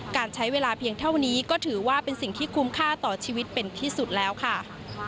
การใช้เวลาเพียงเท่านี้ก็ถือว่าเป็นสิ่งที่คุ้มค่าต่อชีวิตเป็นที่สุดแล้วค่ะ